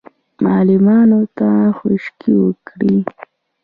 معلمانو ته خشکې وکړې.